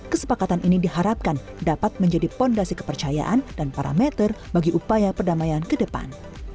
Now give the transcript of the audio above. kesepakatan ini diharapkan dapat menjadi fondasi kepercayaan dan parameter bagi upaya perdamaian ke depan